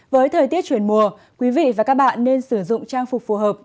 với thời tiết chuyển mùa quý vị và các bạn nên sử dụng trang phục phù hợp